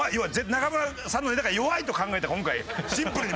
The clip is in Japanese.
中村さんのだから弱いと考えた今回シンプルに。